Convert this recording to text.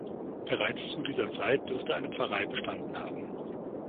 Bereits zu dieser Zeit dürfte eine Pfarrei bestanden haben.